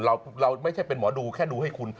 เราไม่ใช่เป็นหมอดูแค่ดูให้คุณ